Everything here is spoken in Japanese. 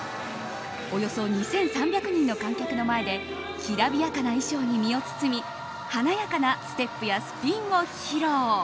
およそ２３００人の観客の前できらびやかな衣装に身を包み華やかなステップやスピンを披露。